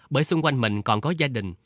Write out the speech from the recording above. bởi xung quanh mình còn có gia đình